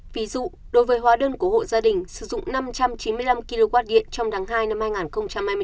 ví dụ đối với hóa đơn của hộ gia đình sử dụng năm trăm chín mươi năm kwh trong tháng hai năm hai nghìn hai mươi bốn